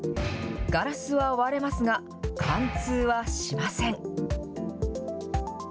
ガラスは割れますが、貫通はしません。